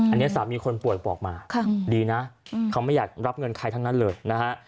อันนี้สามีคนป่วยบอกมาดีนะเขาไม่อยากรับเงินใครทั้งนั้นเลยนะฮะ